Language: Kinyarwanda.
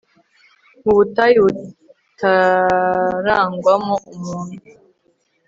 mu butayu butarangwamo umuntu